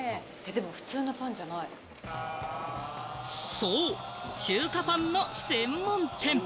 そう、中華パンの専門店。